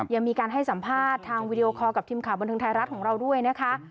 ยังมีการให้สัมภาษณ์ทางวีดีโอคอลกับทีมข่าวบันเทิงไทยรัฐของเราด้วยนะคะ